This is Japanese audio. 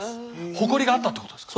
誇りがあったってことですか？